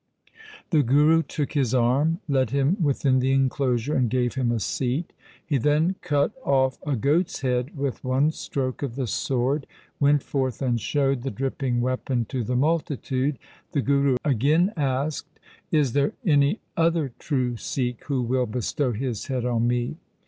The Guru took his arm, led him within the enclosure, and gave him a seat. He then cut off a goat's head with one stroke of the sword, went forth and showed the dripping weapon to the multitude. The Guru again asked, ' Is there any other true Sikh who will bestow his head on me